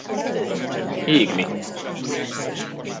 Égni!